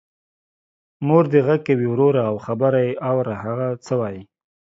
مور دی غږ کوې وروره او خبر یې اوره هغه څه وايي.